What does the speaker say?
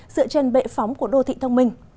dựa trên bệ phóng của đô thị thông minh